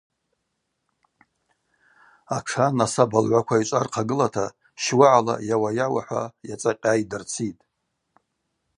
Атшан асаба лгӏва квайчӏва рхъагылата щуагӏала йауа-йауа – хӏва йацӏакъьа йдырцитӏ.